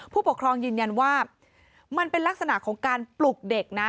ผู้ปกครองยืนยันว่ามันเป็นลักษณะของการปลุกเด็กนะ